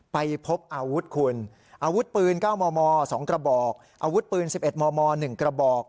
ไปพบอาวุธคุณอาวุธปืน๙มม๒กระบอกอาวุธปืน๑๑มม๑กระบอก